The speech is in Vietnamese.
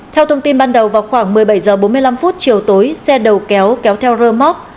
theo thông tin ban đầu vào khoảng một mươi bảy h bốn mươi năm chiều tối xe đầu kéo kéo theo rơ móc